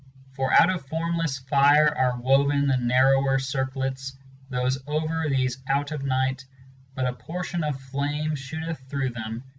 x For out of formless fire are woven the narrower circlets, ' 9 Those over these out of night; but a portion of flame shooteth through them.